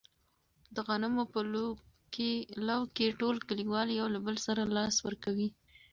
د غنمو په لو کې ټول کلیوال یو له بل سره لاس ورکوي.